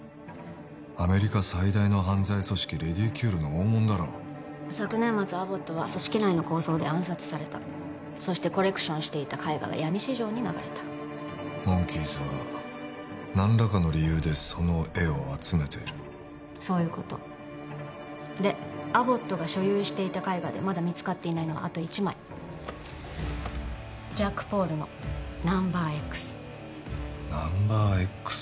アメリカ最大の犯罪組織レディキュールの大物だろ昨年末アボットは組織内の抗争で暗殺されたそしてコレクションしていた絵画が闇市場に流れたモンキーズは何らかの理由でその絵を集めているそういうことでアボットが所有していた絵画でまだ見つかっていないのはあと１枚ジャックポールの「ナンバーＸ」「ナンバーＸ」